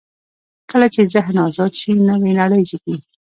کله چې ذهن آزاد شي، نوې نړۍ زېږي.